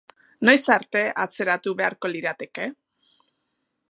Noiz arte atzeratu beharko lirateke?